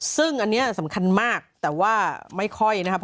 ซึ่งอันนี้สำคัญมากแต่ว่าไม่ค่อยนะครับ